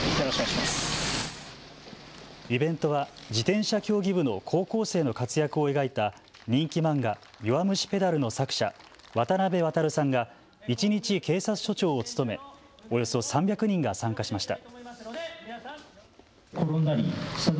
イベントは自転車競技部の高校生の活躍を描いた人気漫画、弱虫ペダルの作者、渡辺航さんが一日警察署長を務めおよそ３００人が参加しました。